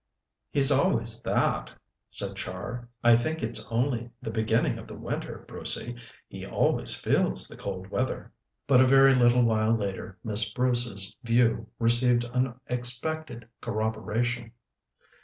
"He's always that," said Char. "I think it's only the beginning of the winter, Brucey. He always feels the cold weather." But a very little while later Miss Bruce's view received unexpected corroboration.